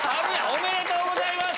おめでとうございます！